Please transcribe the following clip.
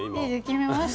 決めましたよ。